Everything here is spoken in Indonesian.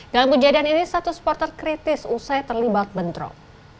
dalam kejadian ini satu supporter kritis usai terlibat bentrok